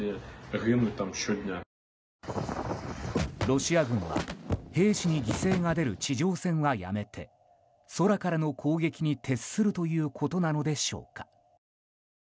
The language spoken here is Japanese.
ロシア軍は兵士に犠牲が出る地上戦はやめて空からの攻撃に徹するということなのでしょうか。